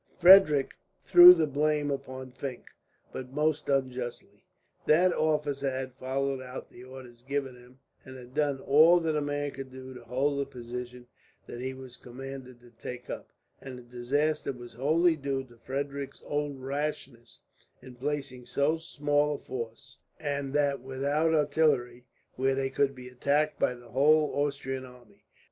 Frederick threw the blame upon Fink, but most unjustly. That officer had followed out the orders given him, and had done all that man could do to hold the position that he was commanded to take up, and the disaster was wholly due to Frederick's own rashness in placing so small a force, and that without artillery, where they could be attacked by the whole Austrian army.